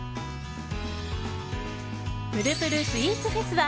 ぷるぷるスイーツフェスは